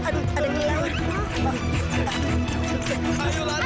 aduh ada yang melawan